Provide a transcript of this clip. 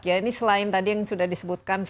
ini selain tadi yang sudah disebutkan lima produk